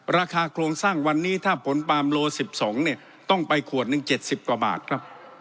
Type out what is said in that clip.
ราคาโครงสร้างวันนี้ถ้าผลปาล์โล๑๒เนี่ยต้องไปขวดหนึ่ง๗๐กว่าบาทครับ